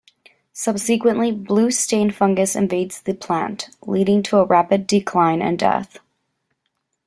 Subsequently, blue stain fungus invades the plant, leading to a rapid decline and death.